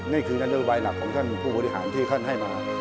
นั่นคือนโยบายหลักของท่านผู้บริหารที่ท่านให้มา